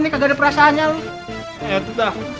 nih ada perasaannya lu